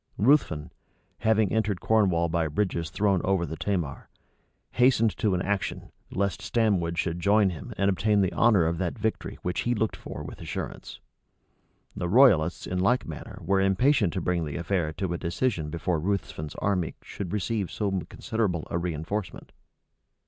Ruthven, having entered Cornwall by bridges thrown over the Tamar, hastened to an action, lest Stamwood should join him, and obtain the honor of that victory which he looked for with assurance. The royalists in like manner were impatient to bring the affair to a decision before Ruthven's army should receive so considerable a reënforcement.